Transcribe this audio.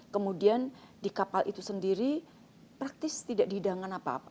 kemudian di kapal itu sendiri praktis tidak dihidangkan apa apa